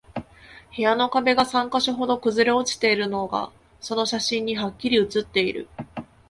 部屋の壁が三箇所ほど崩れ落ちているのが、その写真にハッキリ写っている